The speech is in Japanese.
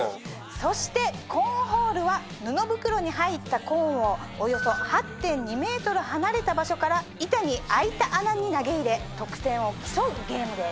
そしてコーンホールは布袋に入ったコーンをおよそ８．２ｍ離れた場所から板に開いた穴に投げ入れ得点を競うゲームです。